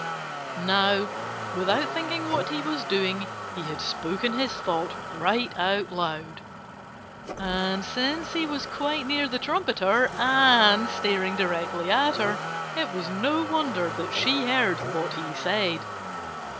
Now, without thinking what he was doing he had spoken his thought right out loud. And since he was quite near the trumpeter and staring directly at her, it was no wonder that she heard what he said.